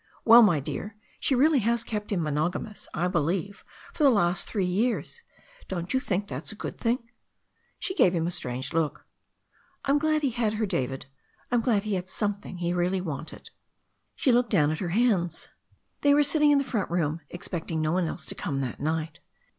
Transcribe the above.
"Well, my dear, she really has kept him monogamous, I believe, for the last three years. Don't you think that's a good thing?" She gave him a strange look. "I am glad he had her, David. I'm glad he had some thing he really wanted." She looked down at her hands. They were sitting in the front room, expecting no one else to come that night.